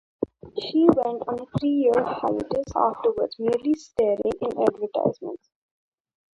She went on a three-year hiatus afterwards, merely starring in advertisements.